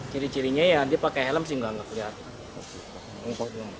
ciri cirinya ya dia pakai helm sih nggak kelihatan